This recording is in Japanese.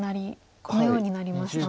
このようになりましたので。